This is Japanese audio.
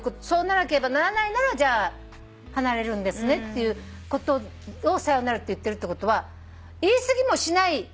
そうならなければならないなら離れるんですねっていうことを「さようなら」って言ってるってことは言い過ぎもしない。